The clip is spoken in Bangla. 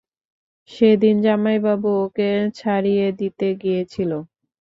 সেদিন জামাইবাবু ওকে ছাড়িয়ে দিতে গিয়েছিল।